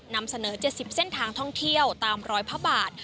นำเสนอ๗๐เส้นทางท่องเที่ยวตามรอยพระบาท